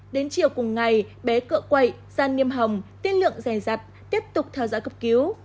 đến chiều cùng ngày bé cựa quậy da niêm hồng tiên lượng rè rặt tiếp tục theo dõi cấp cứu